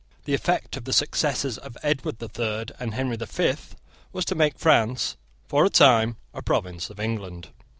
The effect of the successes of Edward the Third and Henry the Fifth was to make France, for a time, a province of England.